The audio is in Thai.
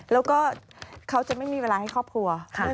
แล้วเค้าจะไม่ได้เวลาให้ครอบครัว